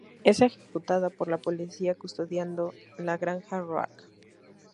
Es ejecutada por la policía custodiando la granja Roark.